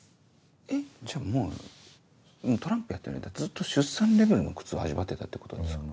えっじゃもうトランプやってる間ずっと出産レベルの苦痛味わってたってことですか？